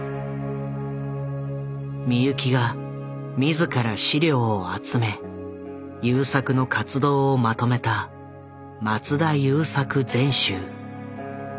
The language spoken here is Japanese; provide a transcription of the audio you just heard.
美由紀が自ら資料を集め優作の活動をまとめた「松田優作全集」。